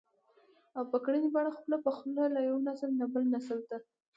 او په ګړنۍ بڼه خوله په خوله له يوه نسل نه بل نسل ته